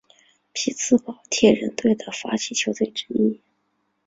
匹兹堡铁人队的发起球队之一。